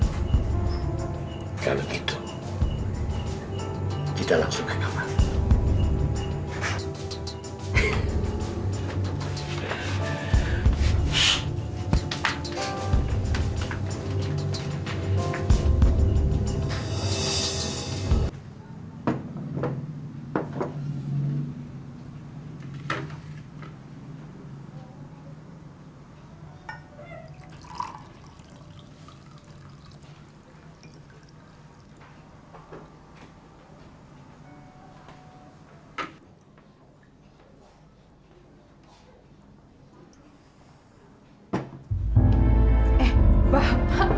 kalau begitu kita langsung ke kamar